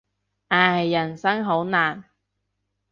唉，人生好難。